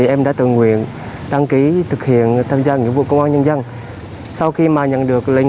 em đã tự nguyện đăng ký thực hiện tham gia nghĩa vụ công an nhân dân sau khi mà nhận được lệnh